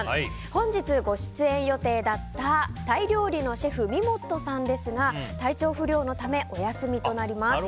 本日ご出演予定だったタイ料理のシェフみもっとさんですが体調不良のためお休みとなります。